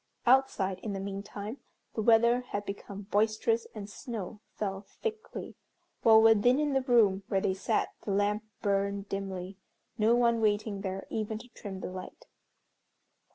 Outside, in the meantime, the weather had become boisterous and snow fell thickly, while within in the room where they sat the lamp burned dimly, no one waiting there even to trim the light.